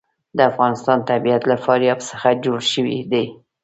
د افغانستان طبیعت له فاریاب څخه جوړ شوی دی.